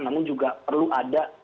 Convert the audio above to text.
namun juga perlu ada